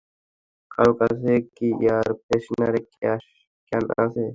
কারো কাছে কি এয়ার ফ্রেশনারের ক্যান আছে?